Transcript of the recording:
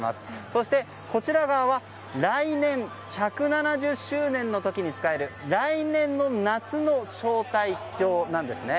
そしてこちら側は来年１７０周年の時に使える来年の夏の招待状なんですね。